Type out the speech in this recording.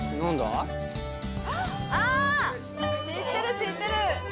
あ知ってる知ってる！